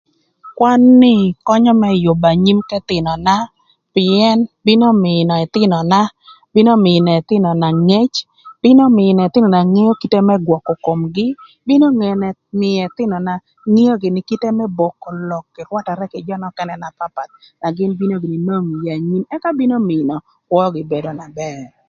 Kwan ni könyö më yübö anyim k'ëthïnöna pïën bino mïö ëthïnöna bino mïö ëthïnöna ngec bino mïö ëthïnöna ngeo ï kite më gwökö komgï bino mïö ëthïnöna ngeo gïnï kite më boko lok kï rwatërë gïnï kï jö nökënë na papath na gïn bino gïnï nwongo ï anyim ëka bino mïö kwögï bedo na bër.